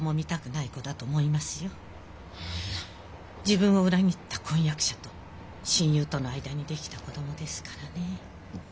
自分を裏切った婚約者と親友との間に出来た子供ですからね。